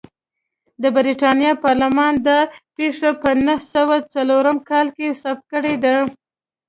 د برېټانیا پارلمان دا پېښه په نهه سوه څلورم کال کې ثبت کړې ده.